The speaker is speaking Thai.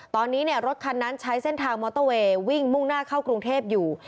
ตอนนี้รถคันนั้นใช้เส้นทางมอเตอร์เวย์วิ่งมุ่งหน้าเข้ากรุงเทพอยู่